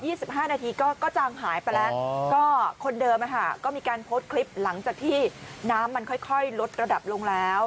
สิบห้านาทีก็ก็จางหายไปแล้วก็คนเดิมอ่ะค่ะก็มีการโพสต์คลิปหลังจากที่น้ำมันค่อยค่อยลดระดับลงแล้ว